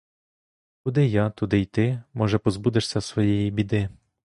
Куди я, туди й ти, може, позбудешся своєї біди.